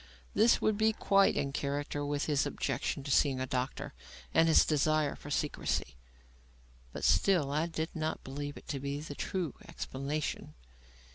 This would be quite in character with his objection to seeing a doctor and his desire for secrecy. But still, I did not believe it to be the true explanation.